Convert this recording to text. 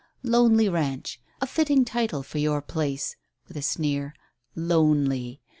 Lonely Ranch; a fitting title for your place," with a sneer. "Lonely!